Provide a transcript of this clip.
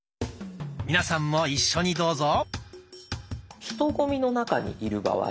皆さんも一緒にどうぞ。